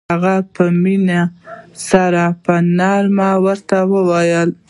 هغه په مينه سره په نرمۍ ورته وويل.